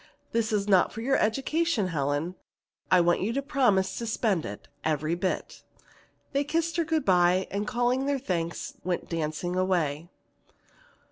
This is not for your education, Helen. I want you to promise to spend it, every bit." They kissed her good by and calling their thanks went dancing away.